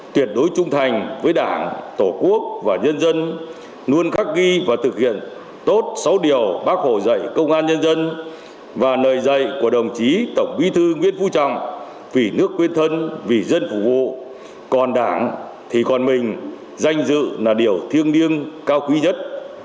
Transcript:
tuyệt đối trung thành với đảng tổ quốc và nhân dân luôn khắc ghi và thực hiện tốt sáu điều bác hồ dạy công an nhân dân và lời dạy của đồng chí tổng bí thư nguyễn phú trọng vì nước quên thân vì dân phục vụ còn đảng thì còn mình danh dự là điều thiêng liêng cao quý nhất